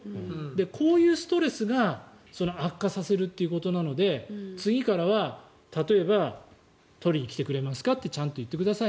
こういうストレスが悪化させるということなので次からは例えば取りに来てくれますか？ってちゃんと言ってください